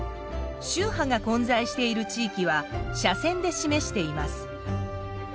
宗派が混在している地域は斜線で示しています。